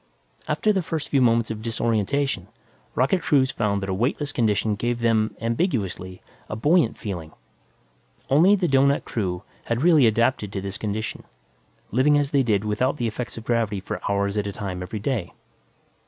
After the first few moments of disorientation, rocket crews found that a weightless condition gave them, ambiguously, a buoyant feeling. Only the doughnut crew had really adapted to this condition, living as they did without the effects of gravity for hours at a time every day.